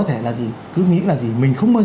thể là gì cứ nghĩ là gì mình không bao